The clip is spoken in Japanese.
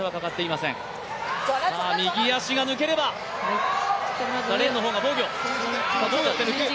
右足が抜ければ、連の方が防御。